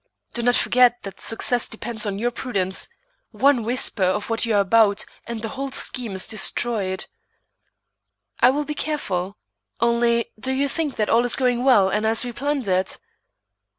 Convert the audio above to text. "Do not forget that success depends upon your prudence. One whisper of what you are about, and the whole scheme is destroyed." "I will be careful; only do you think that all is going well and as we planned it?"